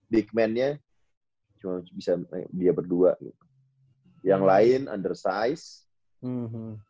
big man nya cuman bisa dia berdua gitu yang lain undersize gitu